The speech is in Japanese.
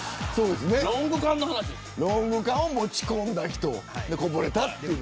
ロング缶を持ち込んだ人こぼれたという。